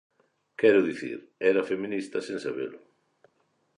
Quero dicir, era feminista sen sabelo.